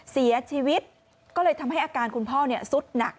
เสียชีวิตก็เลยทำให้อาการคุณพ่อสุดหนัก